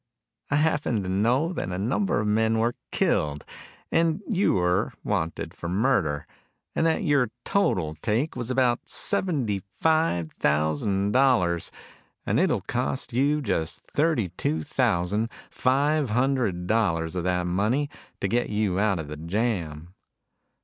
"I happen to know that a number of men were killed, that you're wanted for murder, and that your total take was about seventy five thousand dollars. And it'll cost you just thirty two thousand five hundred dollars of that money to get you out of the jam."